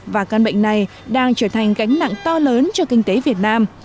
và căn bệnh này đang trở thành gánh nặng to lớn cho kinh tế việt nam